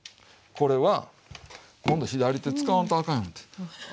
これは今度左手使わんとあかんようになって。